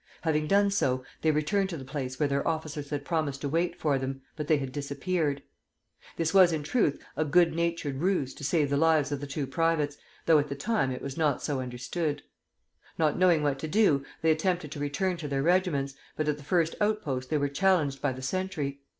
Having done so, they returned to the place where their officers had promised to wait for them; but they had disappeared. This was, in truth, a good natured ruse to save the lives of the two privates, though at the time it was not so understood. Not knowing what to do, they attempted to return to their regiments, but at the first outpost they were challenged by the sentry.